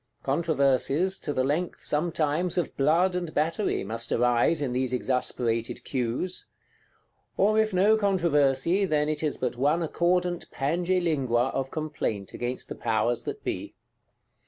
Controversies, to the length, sometimes of blood and battery, must arise in these exasperated Queues. Or if no controversy, then it is but one accordant Pange Lingua of complaint against the Powers that be.